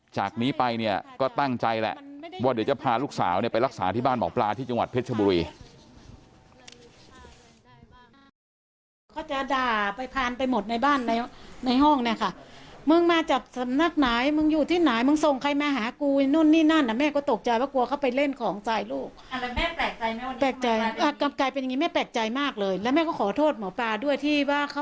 จากนี้ไปเนี่ยก็ตั้งใจแหละว่าเดี๋ยวจะพาลูกสาวไปรักษาที่บ้านหมอปลาที่จังหวัดเพชรชบุรี